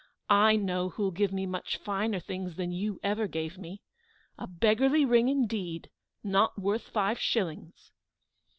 I know who'll give me much finer things than you ever gave me. A beggarly ring indeed, not worth five shillings!"